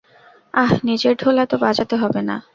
আহ, নিজের ঢোল এতো বাজাতে হবে না।